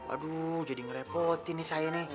aduh jadi ngerepotin nih saya nih